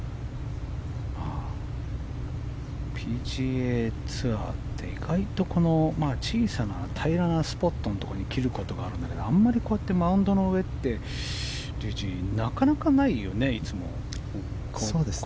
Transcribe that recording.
ＰＧＡツアーって意外と、小さな平らなスポットに切ることがあるんだけどあまりマウンドの上って竜二、なかなかいつもないよね。